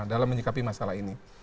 dalam menyikapi masalah ini